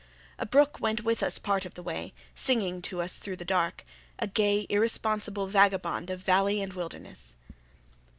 A brook went with us part of the way, singing to us through the dark a gay, irresponsible vagabond of valley and wilderness.